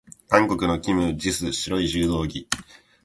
韓国のキム・ジス、白い柔道着。